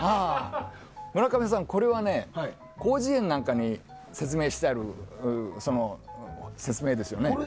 村上さん、これは「広辞苑」なんかに説明してある説明です。